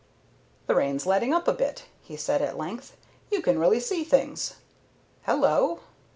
"The rain's letting up a bit," he said at length. "You can really see things hello!"